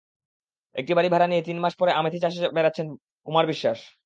একটি বাড়ি ভাড়া নিয়ে তিন মাস ধরে আমেথি চষে বেড়াচ্ছেন কুমার বিশ্বাস।